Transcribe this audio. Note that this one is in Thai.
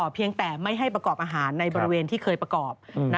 เพียงแต่ไม่ให้ประกอบอาหารในบริเวณที่เคยประกอบ